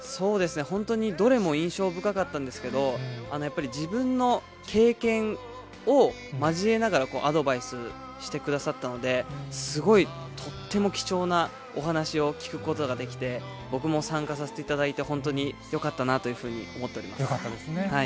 本当にどれも印象深かったんですけど、やっぱり自分の経験を交えながら、アドバイスしてくださったので、すごい、とっても貴重なお話を聞くことができて、僕も参加させていただいて、本当によかったなというふうに思よかったですね。